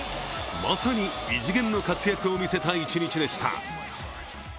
まさに異次元の活躍を見せた一日でした。